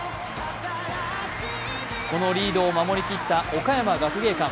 このリードを守り切った岡山学芸館。